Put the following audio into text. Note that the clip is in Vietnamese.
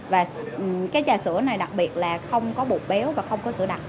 và cái trà sữa này đặc biệt là không có bột béo và không có sữa đặc